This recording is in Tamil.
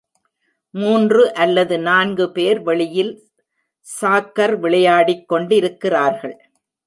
மூன்று அல்லது நான்கு பேர் வெளியில் சாக்கர் விளையாடிக் கொண்டிருக்கிறார்கள்.